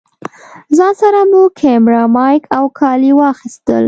ځان سره مو کېمره، مايک او کالي واخيستل.